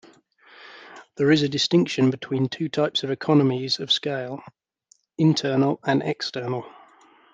There is a distinction between two types of economies of scale: internal and external.